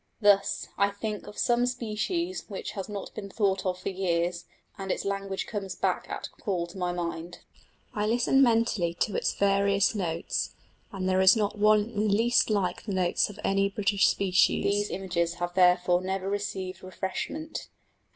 Thus, I think of some species which has not been thought of for years, and its language comes back at call to my mind. I listen mentally to its various notes, and there is not one in the least like the notes of any British species. These images have therefore never received refreshment.